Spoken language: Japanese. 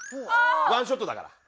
ワンショットだから。